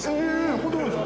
本当ですか？